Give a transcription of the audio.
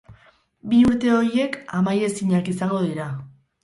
Bi urte horiek amaiezinak izango dira.